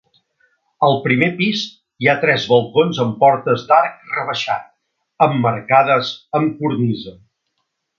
Al primer pis hi ha tres balcons amb portes d'arc rebaixat, emmarcades amb cornisa.